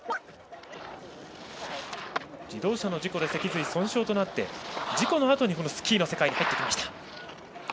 自動車の事故で脊髄損傷となって事故のあとにスキーの世界に入ってきました。